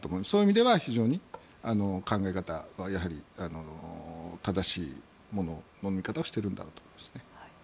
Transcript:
そういう意味では非常に考え方は正しい物の見方をしているんだと思います。